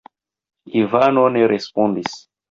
Ivano ne respondis.